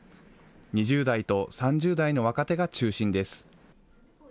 ２０代と３０代の若手が中心です。